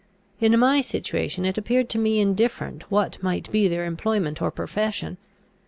In my situation it appeared to me indifferent what might be their employment or profession.